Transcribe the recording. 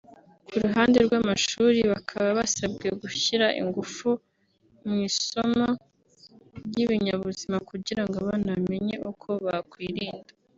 Ku ruhande rw’amashuri bakaba basabwe gushyira ingufu mu isomo ry’ibinyabuzima kugira ngo abana bamenye uko bakwirinda